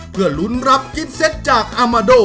เพื่อลุ้นรับกิฟเซตจากอามาโด